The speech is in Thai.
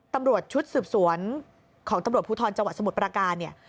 ตำรวจชุดสืบสวนของตำรวจภูทรจังหวัดสมุทรประการเนี่ย